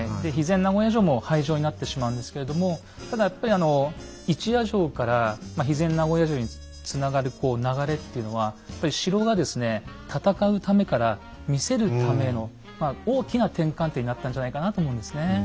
肥前名護屋城も廃城になってしまうんですけれどもただやっぱりあの一夜城から肥前名護屋城につながるこう流れっていうのはやっぱり城がですね「戦うため」から「見せるため」のまあ大きな転換点になったんじゃないかなと思うんですね。